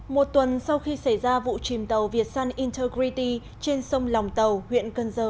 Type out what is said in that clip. một tuần sau khi xảy ra vụ chìm tàu việt sun integrity trên sông lòng tàu huyện cần giờ